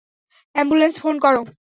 Ambulance phone করো?